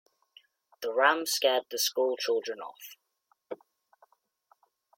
The ram scared the school children off.